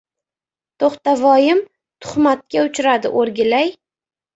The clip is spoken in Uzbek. — To‘xtavoyim tuhamtga uchradi, o‘rgilay.